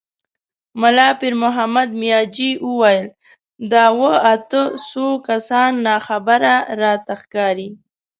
ملا پيرمحمد مياجي وويل: دا اووه، اته سوه کسان ناخبره راته ښکاري.